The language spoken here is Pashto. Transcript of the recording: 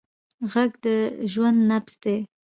غږ د ژوند نبض دی